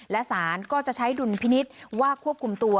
และสารก็จะใช้ดุลพินิษฐ์ว่าควบคุมตัว